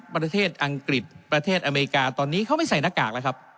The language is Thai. ประเทศอังกฤษประเทศอเมริกาตอนนี้เขาไม่ใส่หน้ากากแล้วครับ